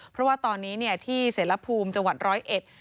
เพราะว่าตอนนี้ที่เสร็จละภูมิจังหวัด๑๐๑